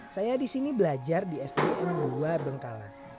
saya di sini belajar di sdu luar bengkala